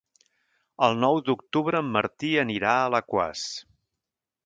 El nou d'octubre en Martí anirà a Alaquàs.